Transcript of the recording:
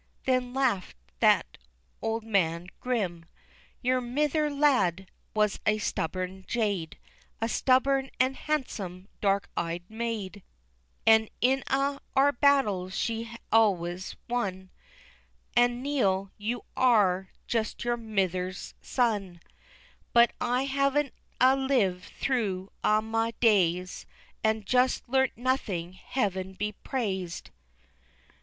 Then laughed that old man grim, "Your mither, lad, was a stubborn jade, A stubborn an' handsome dark eyed maid, An' in a' our battles she's always won, An' Neil, you are just your mither's son; But I haven'a lived through a' my days And just learnt nothing, heaven be praised!